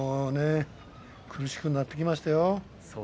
苦しくなってきました。